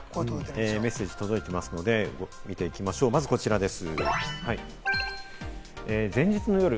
メッセージが届いているので、見ていきましょう、こちらです。